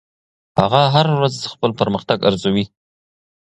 هغه هره ورځ خپل پرمختګ ارزوي.